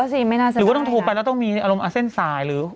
ไม่น่าสามารถนะครับอืมหรือว่าต้องโทรไปแล้วต้องมีอารมณ์เซ็นทรายหรือ